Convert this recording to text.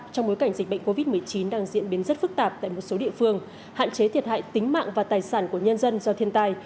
trong bối cảnh dịch bệnh covid một mươi chín đang diễn biến rất phức tạp tại một số địa phương hạn chế thiệt hại tính mạng và tài sản của nhân dân do thiên tai